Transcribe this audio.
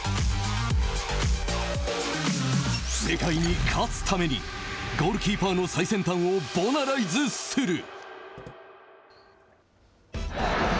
世界に勝つためにゴールキーパーの最先端をボナライズする。